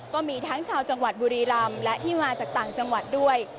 ก็มีทั้งชาวจังหวัดบุรีรำและที่มาจากต่างจังหวัดด้วย